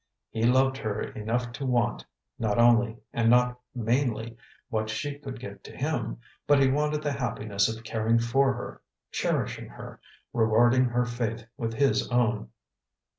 He loved her enough to want, not only and not mainly, what she could give to him; but he wanted the happiness of caring for her, cherishing her, rewarding her faith with his own.